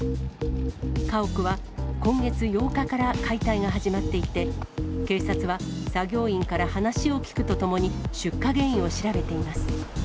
家屋は、今月８日から解体が始まっていて、警察は作業員から話を聴くとともに、出火原因を調べています。